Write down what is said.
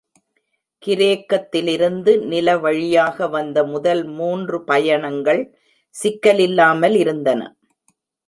கிரேக்கத்திலிருந்து நிலவழியாக வந்த முதல் மூன்று பயணங்கள் சிக்கலில்லாமல் இருந்தன.